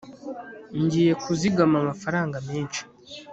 ngiye kuzigama amafaranga menshi